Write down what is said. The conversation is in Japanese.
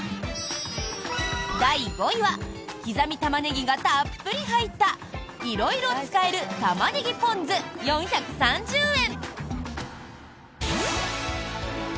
第５位は刻みタマネギがたっぷり入ったいろいろ使えるたまねぎぽん酢４３０円。